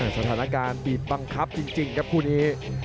สถานการณ์บีบบังคับจริงครับคู่นี้